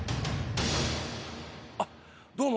あっどうも。